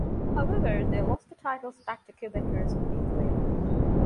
However, they lost the titles back to the Quebecers a week later.